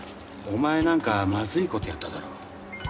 お前なんかまずい事やっただろ？